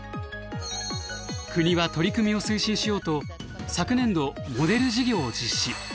国は取り組みを推進しようと昨年度モデル事業を実施。